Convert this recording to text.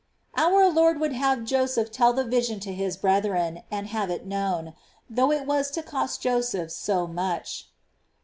^ 12. Our Lord would have Joseph tell the vision to his brethren, and have it known, though it was to cost Joseph so much.